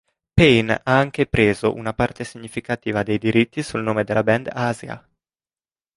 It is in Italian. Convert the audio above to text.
Payne ha anche preso una parte significativa dei diritti sul nome della band "Asia".